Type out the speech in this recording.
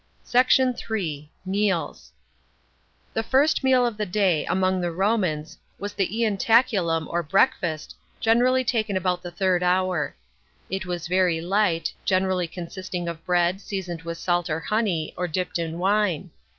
SECT. III. — MEALS. § 12. The first meal of the day, among the Romans, was the ientaculum, or breakfast, generally taken about the third hour. It was very light, generally consisting of bread, seasoned with salt or honey, or dipped in wine.